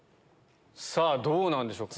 さぁどうなんでしょう。